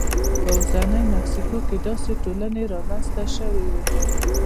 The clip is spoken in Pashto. په اوسنۍ مکسیکو کې داسې ټولنې رامنځته شوې وې